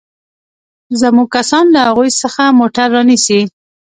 زموږ کسان له هغوى څخه موټر رانيسي.